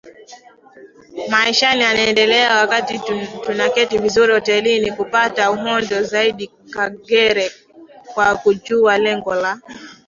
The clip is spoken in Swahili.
maishani anaendelea wakati tunaketi vizuri hotelini kupata uhondo zaidiKagere kwa kujua lengo la